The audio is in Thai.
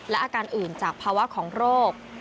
และอาการอื่นจากภาวะของโรค